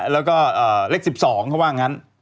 แล้วก็เลข๑๒ก็ว่าอย่างนั้น